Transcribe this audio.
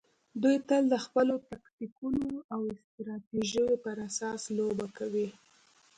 دوی تل د خپلو تکتیکونو او استراتیژیو پر اساس لوبه کوي.